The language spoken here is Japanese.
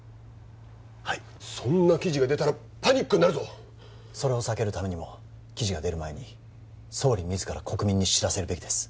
はいそんな記事が出たらパニックになるぞそれを避けるためにも記事が出る前に総理自ら国民に知らせるべきです